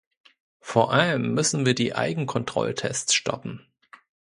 Vor allem müssen wir die Eigenkontrolltests stoppen.